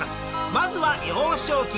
まずは幼少期。